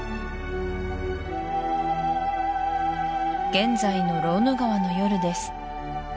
現在のローヌ川の夜です